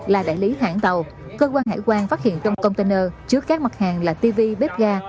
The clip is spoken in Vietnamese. là đại lý hãng tàu cơ quan hải quan phát hiện trong container chứa các mặt hàng là tv bếp ga